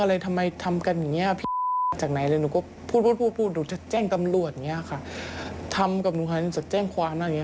พี่เป็นตำรวจอย่างนี้ค่ะทำกับหนูฮันสักแจ้งความนั้นอย่างนี้